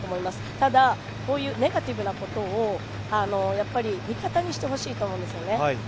ただ、こういうネガティブなことを味方にしてほしいと思うんですね。